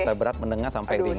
terberat menengah sampai ringan